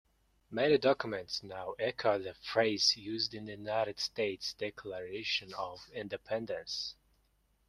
Many documents now echo the phrase used in the United States Declaration of Independence.